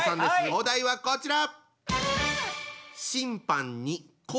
お題はこちら！